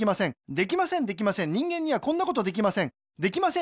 できませんできません人間にはこんなことぜったいにできません